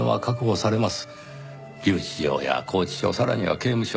留置場や拘置所さらには刑務所。